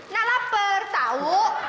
nah lapar tau